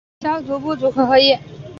萧族部族回鹘裔。